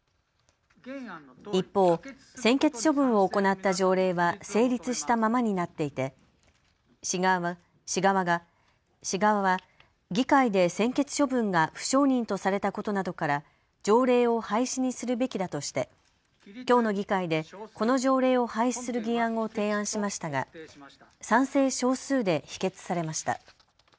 一方、専決処分を行った条例は成立したままになっていて市側は議会で専決処分が不承認とされたことなどから条例を廃止にするべきだとしてきょうの議会でこの条例を廃止する議案を提案しましたが賛成少数で否決されました。